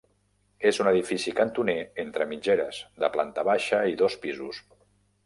És un edifici cantoner entre mitgeres, de planta baixa i dos pisos.